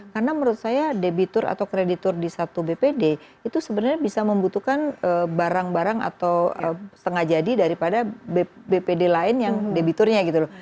karena menurut saya debitur atau kreditur di satu bpd itu sebenarnya bisa membutuhkan barang barang atau setengah jadi daripada bpd lain yang debiturnya gitu loh